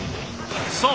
そう！